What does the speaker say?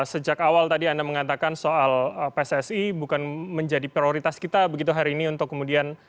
sejak awal tadi anda mengatakan soal pssi bukan menjadi prioritas kita begitu hari ini untuk kemudian